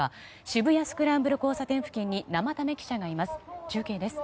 渋谷スクランブル交差点付近に生田目記者がいます。